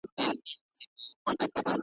چي سړی پر لاپو شاپو وو راغلی `